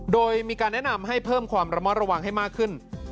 โดยมีการแนะนำให้เพิ่มความระมัดระวังให้มากขึ้น